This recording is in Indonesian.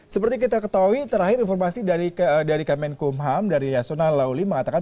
seperti kita ketahui terakhir informasi dari kemenkumham dari yasona lauli mengatakan